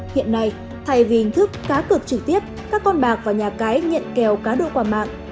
hiện nay thay vì hình thức cá cực trực tiếp các con bạc và nhà cái nhận kèo cá đô qua mạng